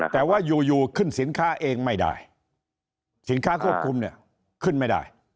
แต่ว่าอยู่ขึ้นสินค้าเองไม่ได้สินค้าควบคุมเนี่ยขึ้นไม่ได้